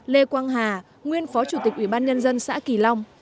lê quang hà nguyên phó chủ tịch ubnd xã kỳ long